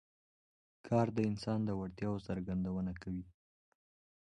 کار د انسان د وړتیاوو څرګندونه کوي